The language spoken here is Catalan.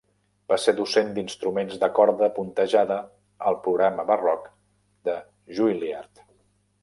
Va ser docent d'instruments de corda puntejada al programa barroc de Juilliard.